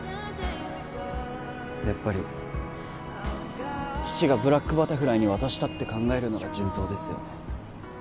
やっぱり父がブラックバタフライに渡したって考えるのが順当ですよね